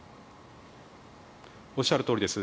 おっしゃるとおりです。